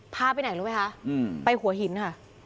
พาไปไหนรู้ไหมคะไปหัวหินค่ะ